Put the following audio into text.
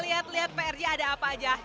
lihat lihat prj ada apa aja